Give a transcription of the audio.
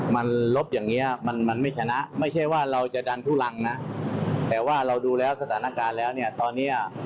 มันลบอย่างเงี้ยมันมันไม่ชนะไม่ใช่ว่าเราจะดันทุรังนะแต่ว่าเราดูแล้วสถานการณ์แล้วเนี่ยตอนเนี้ย